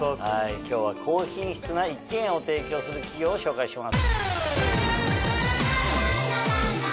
今日は高品質な一軒家を提供する企業を紹介します。